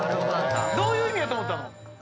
どういう意味やと思ったの？